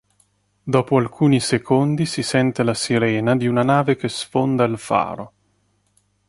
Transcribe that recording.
Dopo alcuni secondi si sente la sirena di una nave che sfonda il faro.